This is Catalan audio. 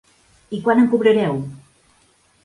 I quant em cobrareu?